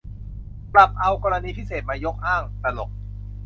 กลับเอากรณีพิเศษยกมาอ้าง ตลก